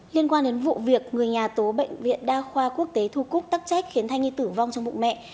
liên quan đến vụ việc người nhà tố bệnh viện đa khoa quốc tế thu cúc tắc trách khiến thanh nghi tử vong trong bụng mẹ